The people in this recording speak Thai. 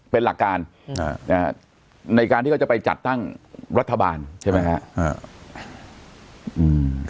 เป็นหลักการในการที่เขาจะไปจัดตั้งรัฐบาลใช่ไหมครับ